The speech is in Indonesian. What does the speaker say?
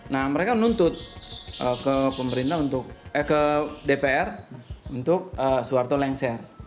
nah mereka menuntut ke dpr untuk suarto lengser